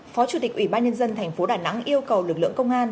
phó chủ tịch ủy ban nhân dân thành phố đà nẵng yêu cầu lực lượng công an